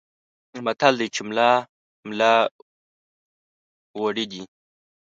متل دی چې ملا ملا غوړي دي.